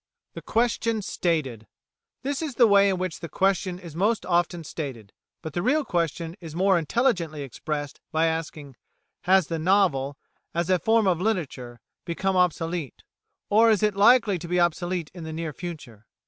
The Question Stated This is the way in which the question is most often stated, but the real question is more intelligently expressed by asking: Has the novel, as a form of literature, become obsolete? or is it likely to be obsolete in the near future?